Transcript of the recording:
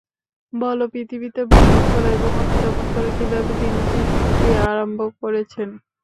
বল, পৃথিবীতে ভ্রমণ কর এবং অনুধাবন কর, কিভাবে তিনি সৃষ্টি আরম্ভ করেছেন।